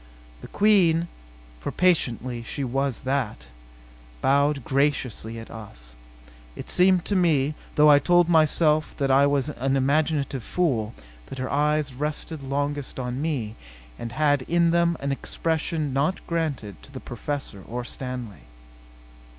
The Queen, for patently she was that, bowed graciously at us. It seemed to me though I told myself that I was an imaginative fool that her eyes rested longest on me, and had in them an expression not granted to the Professor or Stanley.